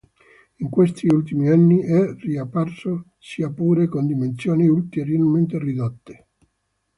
In questi ultimi anni è riapparso, sia pure con dimensioni ulteriormente ridotte.